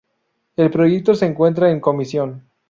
El proyecto se encuentra en comisión.